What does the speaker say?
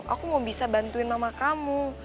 aku mau bisa bantuin mama kamu